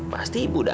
pasti ibu akan tidur